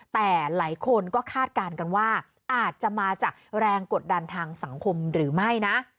แต่หลายคนก็คาดการณ์กันว่าอาจจะมาจากแรงกดดันทางสังคมหรือไม่นะ